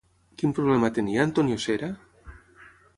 Quin problema tenia Antonio Cera?